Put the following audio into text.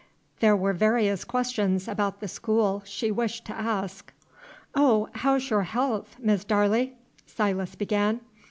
There were various questions about the school she wished to ask. "Oh, how's your haalth, Miss Darley?" Silas began.